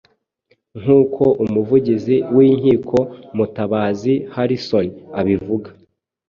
nk’uko Umuvugizi w'Inkiko Mutabazi Harrison abivuga